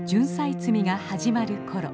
摘みが始まる頃。